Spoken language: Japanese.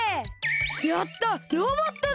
やった！